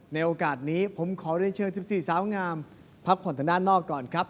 ในโอกาสนี้ผมขอเรียนเชิญ๑๔สาวงามพักผ่อนทางด้านนอกก่อนครับ